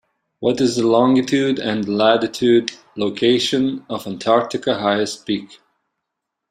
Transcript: What is the longitude and latitude location of Antarctica highest peak?